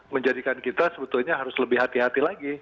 menjadikan kita sebetulnya harus lebih hati hati lagi